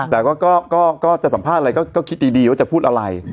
แต่ก็จะสัมภาษณ์อะไรก็คิดดีว่าจะพูดอะไร